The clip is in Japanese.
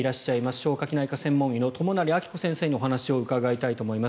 消化器内科専門医の友成暁子先生にお話を伺いたいと思います。